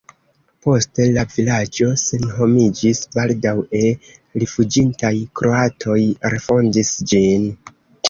Poste la vilaĝo senhomiĝis, baldaŭe rifuĝintaj kroatoj refondis ĝin.